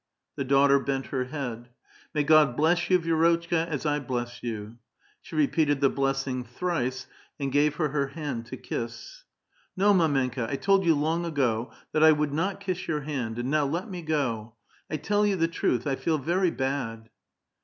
The daughter bent her head. " Mav God bless vou, Vi^rotchka, as I bless you:" She repeated the blessing thrice, and gave her her hand to kiss. "No, mdmenka! I told you long ago, that I would not kiss your hand. And now let me go. I tell you the truth ; I feel very bad."